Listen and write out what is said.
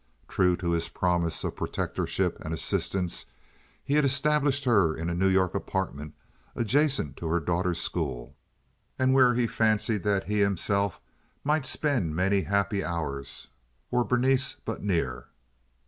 True to his promise of protectorship and assistance, he had established her in a New York apartment adjacent to her daughter's school, and where he fancied that he himself might spend many happy hours were Berenice but near.